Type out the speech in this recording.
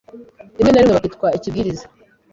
rimwe na rimwe bakitwa Ikibwiriza